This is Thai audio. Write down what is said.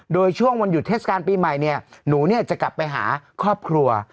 โดยช่วงวันหยุดเทศกาลปีใหม่เนี่ยหนูจะกลับไปหาครอบครัว